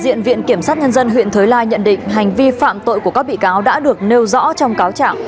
viện kiểm sát nhân dân huyện thới lai nhận định hành vi phạm tội của các bị cáo đã được nêu rõ trong cáo trạng